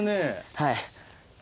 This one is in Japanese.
はい。